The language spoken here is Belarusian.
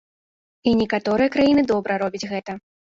І некаторыя краіны добра робяць гэта.